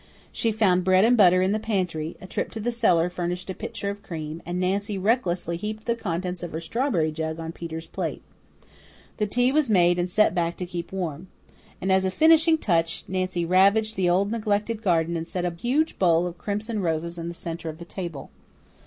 She found bread and butter in the pantry, a trip to the cellar furnished a pitcher of cream, and Nancy recklessly heaped the contents of her strawberry jug on Peter's plate. The tea was made and set back to keep warm. And, as a finishing touch, Nancy ravaged the old neglected garden and set a huge bowl of crimson roses in the centre of the table.